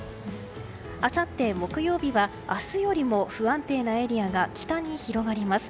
あさって木曜日は明日よりも不安定なエリアが北に広がります。